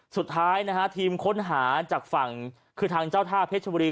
สุดท้ายนะฮะทีมค้นหาจากฝั่งคือทางเจ้าท่าเพชรบุรี